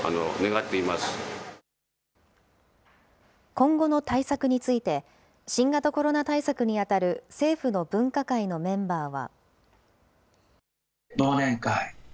今後の対策について、新型コロナ対策に当たる政府の分科会のメンバーは。